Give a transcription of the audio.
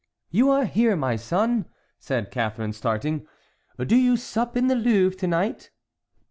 "You here, my son!" said Catharine, starting. "Do you sup in the Louvre to night?"